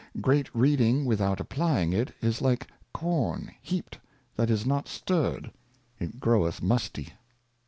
Great Reading without applying it, is like Corn heaped that is not stirred, it groweth musty.